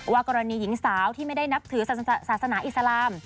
กรณีหญิงสาวที่ไม่ได้นับถือศาสนาอิสลาม